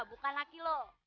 bukan laki lo